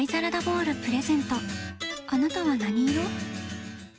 あなたは何色？